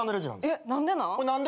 えっ何でなん？